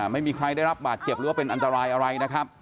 ไม่มีใครได้รับบาดเจ็บหรือว่าเป็นอันตรายอะไรนะครับ